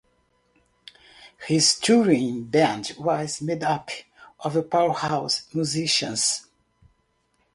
His touring band was made up of power house musicians.